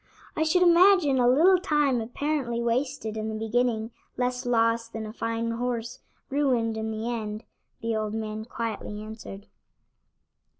"I should imagine a little time apparently wasted in the beginning less loss than a fine horse ruined in the end," the old man quietly answered.